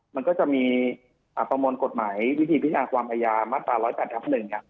มันก็จะมีอ่าประมวลกฎหมายวิธีพิจารณ์ความอายามาตราร้อยแปดทับหนึ่งอ่ะ